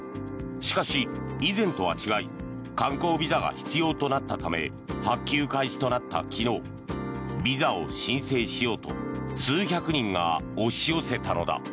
しかし、以前とは違い観光ビザが必要となったため発給開始となった昨日ビザを申請しようと数百人が押し寄せたのだ。